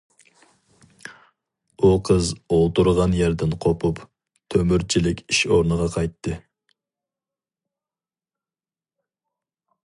ئۇ قىز ئولتۇرغان يەردىن قوپۇپ، تۆمۈرچىلىك ئىش ئورنىغا قايتتى.